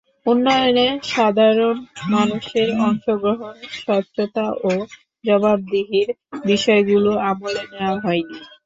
উন্নয়নে সাধারণ মানুষের অংশগ্রহণ, স্বচ্ছতা ও জবাবদিহির বিষয়গুলো আমলে নেওয়া হয়নি।